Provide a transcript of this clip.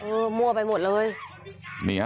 เออมั่วไปหมดเลย